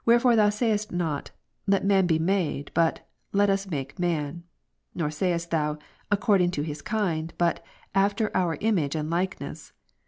fore Thou sayest not, " Let man be made," but Let us make man. Nor saidst Thou, " according to his kind ;" but, after our image and likeness.